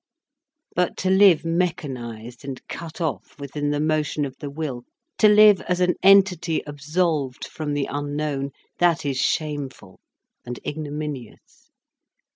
But to live mechanised and cut off within the motion of the will, to live as an entity absolved from the unknown, that is shameful and ignominious.